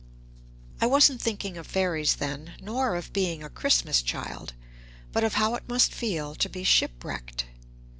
I wasn't thinking of Fairies then, nor of being a Christmas child, but of how it must feel to be shipwrecked.